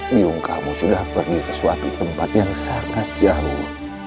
biung kamu sudah pergi ke suatu tempat yang sangat jauh